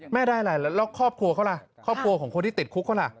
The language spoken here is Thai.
ได้อะไรแล้วครอบครัวเขาล่ะครอบครัวของคนที่ติดคุกเขาล่ะ